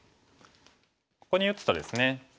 ここに打つとですね